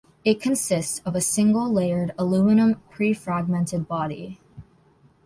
It consists of a single layered aluminium pre-fragmented body.